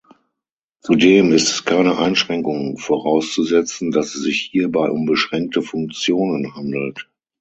Zudem ist es keine Einschränkung vorauszusetzen, dass es sich hierbei um beschränkte Funktionen handelt.